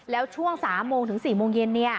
แล้วช่วง๓โมงถึง๔โมงเย็น